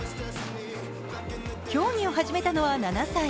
競技を始めたのは７歳。